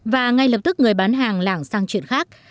và ngay lập tức người bán hàng lảng sang chuyện khác